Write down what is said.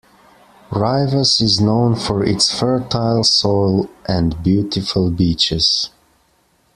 Rivas is known for its fertile soil and beautiful beaches.